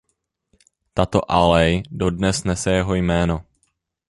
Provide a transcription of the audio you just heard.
Tato alej dodnes nese jeho jméno.